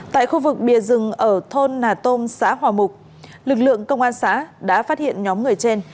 tại khu vực bìa rừng ở thôn nà tôn xã hòa mục lực lượng công an xã đã phát hiện nhóm người trên